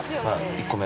１個目。